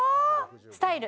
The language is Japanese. スタイル